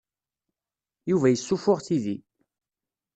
Yuba yessuffuɣ tidi.